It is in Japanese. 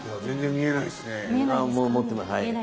全然見えないっすね。